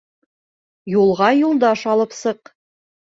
Юлға юлдаш алып сыҡ.